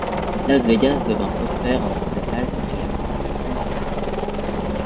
Las Vegas devint prospère en tant que halte sur la Piste de Santa Fe.